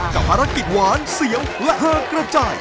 กับภารกิจหวานเสียงระเฮอกระจาย